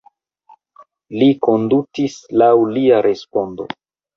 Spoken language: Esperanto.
Li kondutis laŭ lia respondo.